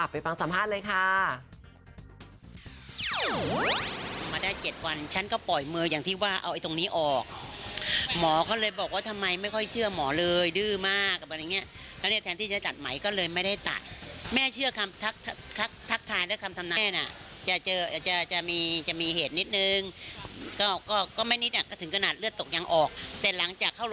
ไปฟังสัมภาษณ์เลยค่ะ